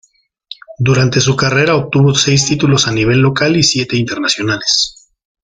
Durante su carrera obtuvo seis títulos a nivel local y siete internacionales.